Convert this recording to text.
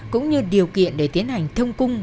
cũng như điều kiện để tiến hành thông cung